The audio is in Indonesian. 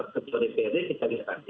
ketua dprd kita lihat nanti